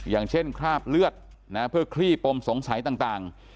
อย่างเช่นคราบเลือดเพื่อคลี่ปมสงสัยต่าง